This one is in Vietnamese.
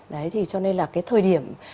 đấy thì cho nên là cái thời điểm